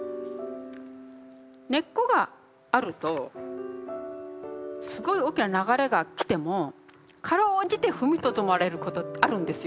根っこがあるとすごい大きな流れが来てもかろうじて踏みとどまれることってあるんですよ。